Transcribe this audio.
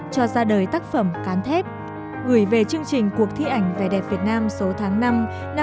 cho ra đời tác phẩm cán thép gửi về chương trình cuộc thi ảnh vẻ đẹp việt nam số tháng năm năm hai nghìn một mươi chín